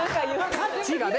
・タッチがね。